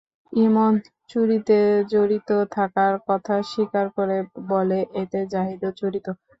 ইমন চুরিতে জড়িত থাকার কথা স্বীকার করে বলে, এতে জাহিদও জড়িত।